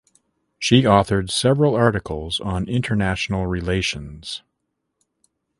She authored several articles on international relations.